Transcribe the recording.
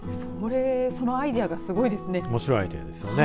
そのアイデアがすごいですね。